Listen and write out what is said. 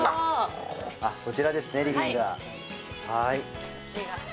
こちらですねリビングは。